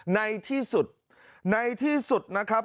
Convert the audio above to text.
ในที่สุดในที่สุดนะครับ